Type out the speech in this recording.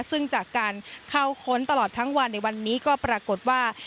ซึ่งจากการเข้าค้นตลอดทั้งวันในวันนี้ก็ปรากฏว่า